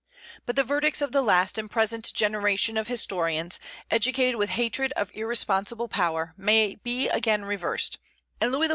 But the verdicts of the last and present generation of historians, educated with hatred of irresponsible power, may be again reversed, and Louis XIV.